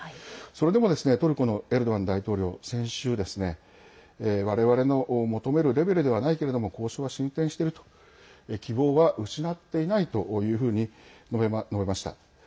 それでもトルコのエルドアン大統領、先週われわれの求めるレベルではないけれども交渉は進展していると希望は失っていないというふうに述べました。